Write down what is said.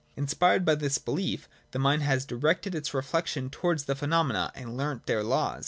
Inspired by this belief, the mind has directed its reflection towards the phenomena, and learnt their laws.